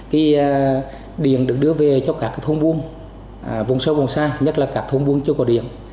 cái điện được đưa về cho các thôn buôn vùng sâu vùng xa nhất là các thôn buôn chưa có điện